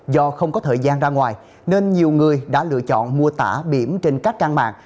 do không có thời gian ra ngoài nên nhiều người đã lựa chọn mô tả điểm trên các trang mạng